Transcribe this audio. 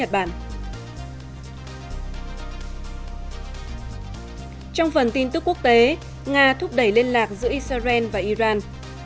trong phần tin tức quốc tế nga thúc đẩy liên lạc giữa israel và iran